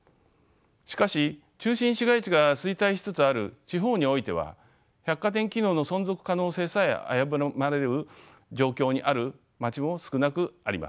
しかし中心市街地が衰退しつつある地方においては百貨店機能の存続可能性さえ危ぶまれる状況にある街も少なくありません。